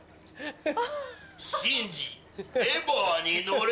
シンジエヴァに乗れ。